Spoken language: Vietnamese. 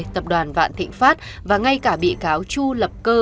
tập đoàn vạn thịnh pháp và ngay cả bị cáo chu lập cơ